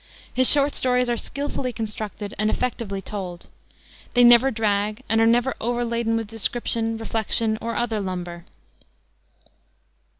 His short stories are skillfully constructed and effectively told. They never drag, and are never overladen with description, reflection, or other lumber.